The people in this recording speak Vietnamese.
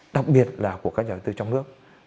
đặc biệt là của các nhà đầu tư nước ngoài